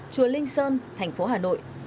chùa linh sơn thành phố hà nội